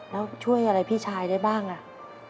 แล้วช่วยอะไรพี่ชายได้บ้างอ่ะ